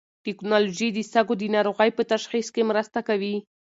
ټېکنالوژي د سږو د ناروغۍ په تشخیص کې مرسته کوي.